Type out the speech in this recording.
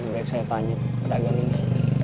baik saya tanya pedagang ini